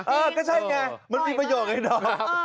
เออก็ใช่ไงมันมีประโยชน์ไงน้อง